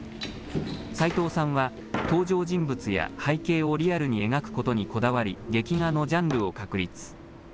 さいとうさんは登場人物や背景をリアルに描くことにこだわり、劇画のジャンルを確立。